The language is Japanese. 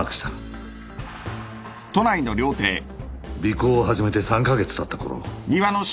尾行を始めて３カ月たったころ。